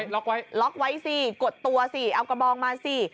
ล็อกไว้ล็อกไว้สิกดตัวสิเอากระบองมาสิ